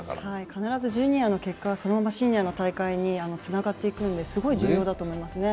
必ずジュニアの結果はシニアの大会につながっていくのですごい重要だと思いますね。